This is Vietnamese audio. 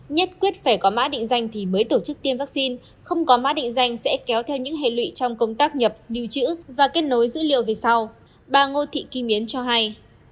nhất quyết phải có mã định danh thì mới tổ chức tiêm vaccine không có mã định danh sẽ kéo theo những hệ lụy trong công tác nhập lưu trữ và kết nối dữ liệu về sau bà ngô thị kim yến cho hay